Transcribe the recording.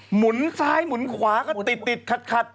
หมุนซ้ายหมุนขวาก็ติดขัด